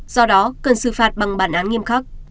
do đó cần xử phạt bằng bản án nghiêm khắc